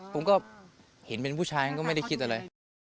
ผมก็เห็นเป็นผู้ชายก็ไม่ได้คิดอะไร